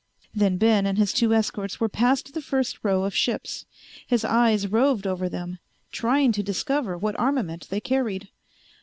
Then Ben and his two escorts were past the first rows of ships. His eyes roved over them, trying to discover what armament they carried.